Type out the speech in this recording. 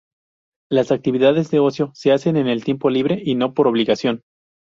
Las actividades de ocio se hacen en el tiempo libre, y no por obligación.